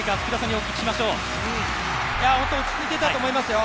本当に落ち着いていたと思いますよ。